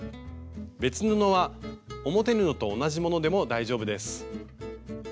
別布は表布と同じものでも大丈夫です。